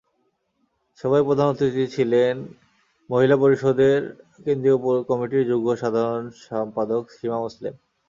সভায় প্রধান অতিথি ছিলেন মহিলা পরিষদের কেন্দ্রীয় কমিটির যুগ্ম সাধারণ সম্পাদক সীমা মোসলেম।